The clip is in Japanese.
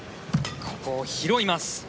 ここを拾います。